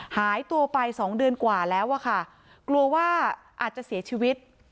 หายตัวไปสองเดือนกว่าแล้วอะค่ะกลัวว่าอาจจะเสียชีวิต